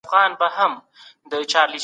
کوم هیواد غواړي بازار نور هم پراخ کړي؟